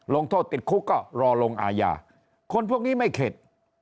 ลงโทษติดคุกก็รอลงอาญาคนพวกนี้ไม่เข็ด